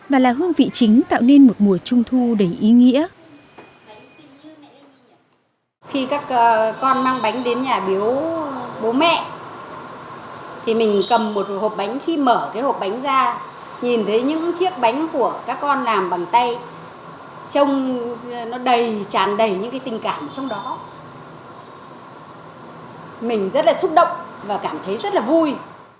và cảm thấy rất là vui